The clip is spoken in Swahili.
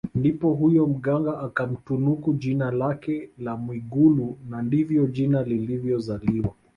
Ndipo huyo Mganga akamtunuku jina lake la Mwigulu na ndivyo jina lilivyozaliwa